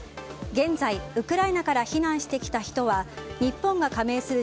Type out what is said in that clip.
現在、ウクライナから避難してきた人は日本が加盟する